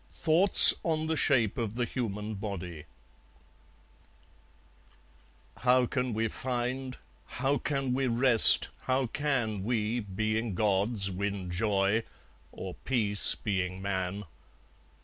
Thoughts on the Shape of the Human Body How can we find? how can we rest? how can We, being gods, win joy, or peace, being man?